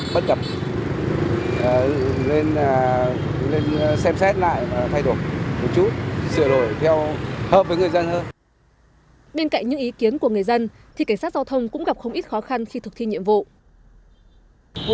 bên cạnh những ý kiến của người dân thì cảnh sát giao thông cũng gặp không ít khó khăn khi thực thi nhiệm vụ